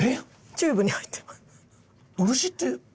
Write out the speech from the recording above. チューブに入っています。